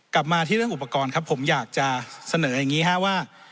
กลับมาที่เรื่องอุปกรณ์ครับผมอยากจะเสนออย่างนี้ครับว่า